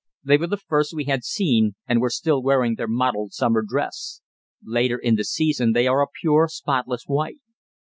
They were the first we had seen, and were still wearing their mottled summer dress; later in the season they are a pure, spotless white.